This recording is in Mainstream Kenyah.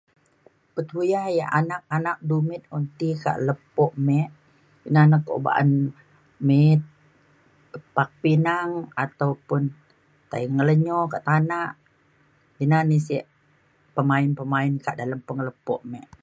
petuya yek anak anak dumit un ti ke lepo' mik ina ne kuk baan mit kupak pinang ataupun tai ngelenyo kek tanak ina ni sik pemain pemain ke dalam pengelepo' mik.